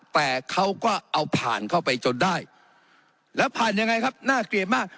แต่เขาก็เอาผ่านเข้าไปจนได้แล้วผ่านยังไงครับน่าเกลียดมาก